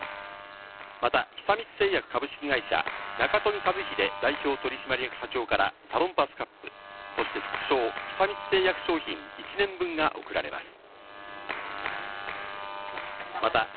また、久光製薬株式会社、中冨一榮代表取締役社長からサロンパスカップ、そして副賞、久光製薬商品１年分が贈られます。